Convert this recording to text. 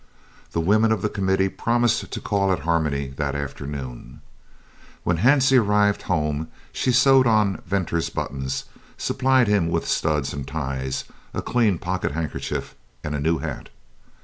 The women of the Committee promised to call at Harmony that afternoon. When Hansie arrived home she sewed on Venter's buttons, supplied him with studs and ties, a clean pocket handkerchief, and a new hat.